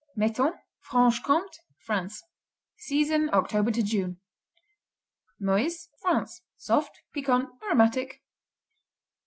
Metton Franche Comté, France Season October to June. Meuse France Soft; piquant; aromatic.